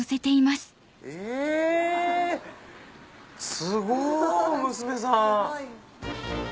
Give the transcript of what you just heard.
すごい娘さん。